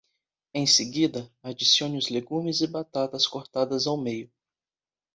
Em seguida, adicione os legumes e batatas cortadas ao meio.